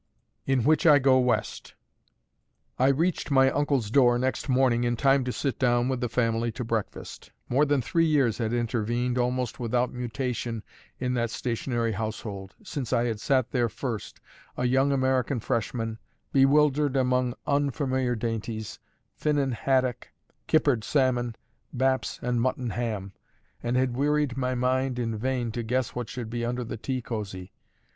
IN WHICH I GO WEST. I reached my uncle's door next morning in time to sit down with the family to breakfast. More than three years had intervened almost without mutation in that stationary household, since I had sat there first, a young American freshman, bewildered among unfamiliar dainties, Finnan haddock, kippered salmon, baps and mutton ham, and had wearied my mind in vain to guess what should be under the tea cosey.